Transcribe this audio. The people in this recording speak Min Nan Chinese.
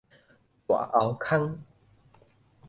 大喉空